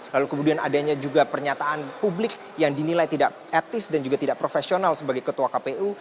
lalu kemudian adanya juga pernyataan publik yang dinilai tidak etis dan juga tidak profesional sebagai ketua kpu